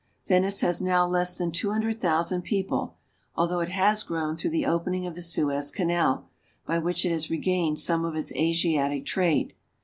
Venice has now less than two hundred thousand people, although it has grown through the opening of the Suez Canal, by which it has regained some of its Asiatic trade.